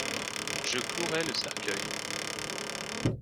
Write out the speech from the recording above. Je clouerai le cercueil.